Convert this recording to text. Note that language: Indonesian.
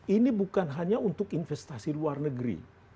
ini bukan hanya untuk investasi luar negeri